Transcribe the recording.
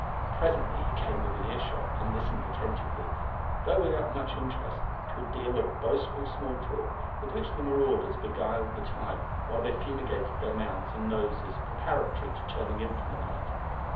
Presently he came within earshot, and listened attentively, though without much interest, to a deal of boastful small talk with which the marauders beguiled the time, while they fumigated their mouths and noses preparatory to turning in for the night.